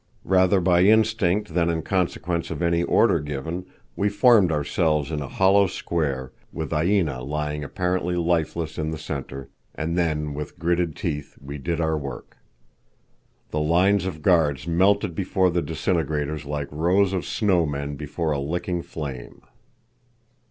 Rather by instinct than in consequence of any order given, we formed ourselves in a hollow square, with Aina lying apparently lifeless in the centre, and then with gritted teeth we did our work. The lines of guards melted before the disintegrators like rows of snow men before a licking flame.